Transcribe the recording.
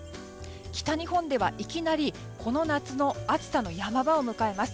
北日本ではいきなりこの夏の暑さの山場を迎えます。